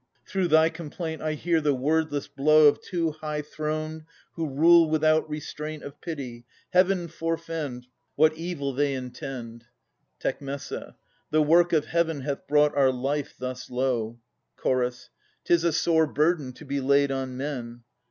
Through thy complaint I hear the wordless blow Of two high throned, who rule without restraint Of Pity. Heaven forfend What evil they intend! Tec. The work of Heaven hath brought our life thus low. Ch. 'Tis a sore burden to be laid on men.